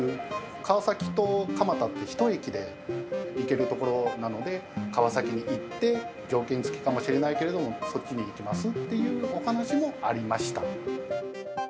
川崎と蒲田って、１駅で行ける所なので、川崎に行って、条件付きかもしれないけど、そっちに行きますっていうお話もありました。